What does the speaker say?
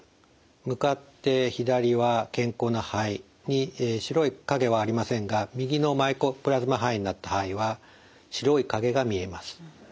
向かって左は健康な肺に白い影はありませんが右のマイコプラズマ肺炎になった肺は白い影が見えます。